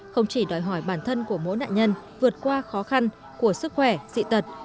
không chỉ đòi hỏi bản thân của mỗi nạn nhân vượt qua khó khăn của sức khỏe dị tật